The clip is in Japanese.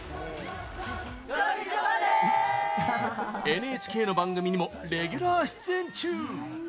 ＮＨＫの番組にもレギュラー出演中！